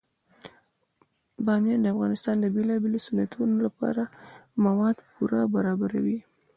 بامیان د افغانستان د بیلابیلو صنعتونو لپاره مواد پوره برابروي.